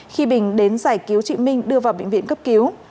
khi bình đến giải cứu chị minh đưa vào bệnh viện cấp cứu